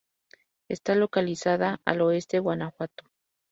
Está localizada al oeste Guanajuato.